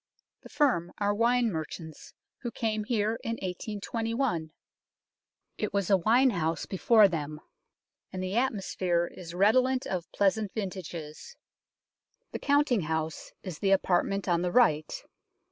The firm are wine merchants, who came here in 1821. It was a wine house before them, and the atmosphere is redolent of pleasant vintages. The counting house is the apartment on the right.